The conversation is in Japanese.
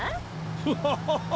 フハハハ！